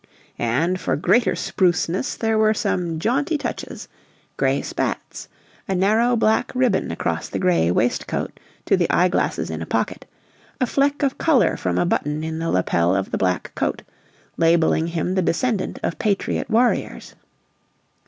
And for greater spruceness there were some jaunty touches; gray spats, a narrow black ribbon across the gray waistcoat to the eye glasses in a pocket, a fleck of color from a button in the lapel of the black coat, labeling him the descendant of patriot warriors.